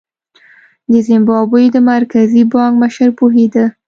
د زیمبابوې د مرکزي بانک مشر پوهېده.